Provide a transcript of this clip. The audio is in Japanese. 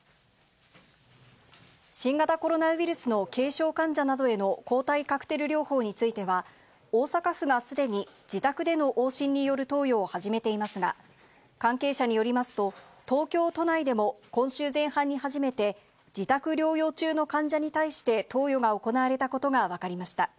新型コロナウイルスの軽症患者などへの抗体カクテル療法については、大阪府がすでに自宅での往診による投与を始めていますが、関係者によりますと、東京都内でも今週前半に初めて自宅療養中の患者に対して投与が行われたことが分かりました。